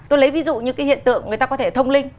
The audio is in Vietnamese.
tôi lấy ví dụ như cái hiện tượng người ta có thể thông linh